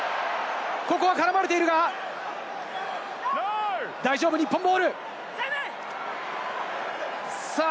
ここは絡まれているが、大丈夫、日本ボール！